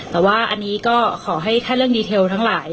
แต่ว่าอันนี้ก็ขอให้แค่เรื่องดีเทลทั้งหลาย